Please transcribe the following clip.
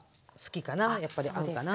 やっぱり合うかな。